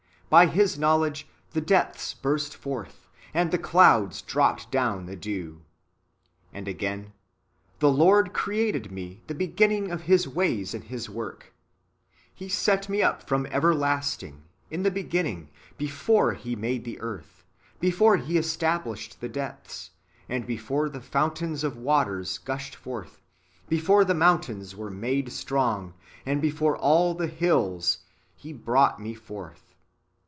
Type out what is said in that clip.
By His knowledge the depths burst forth, and the clouds dropped down the dew." ^ And again :" The Lord created me the beginning of His ways in His work : He set me up from everlasting, in the beginning, before He made the earth, before He established the deptiis, and before the fountains of waters gushed forth ; before the mountains were made strong, and before all the hills. He brought me forth."